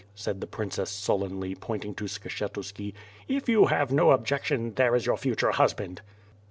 said the princess sullenly, pointing to Skshetuski, "if you have no objection there is your future husband."